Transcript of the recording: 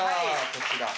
こちら。